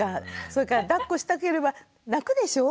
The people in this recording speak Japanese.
それからだっこしたければ泣くでしょ？